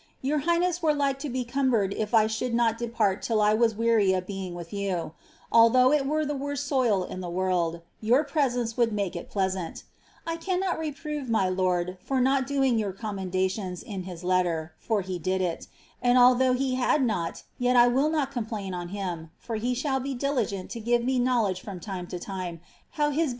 Your highness were umbered if I should not depart till I were weary of being with you; were the worst soil in the world, your presence would make it I cannot reprove my lord for not doing your commendations in his e did it ; and although he had not, yet I will not complain on him, be diligent to give me knowledge from time to time how his busy vet's State Papers.